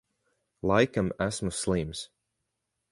Laikam esmu slims.